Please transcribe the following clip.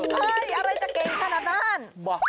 ไม่อะไรจะเก่งขนาดนั้น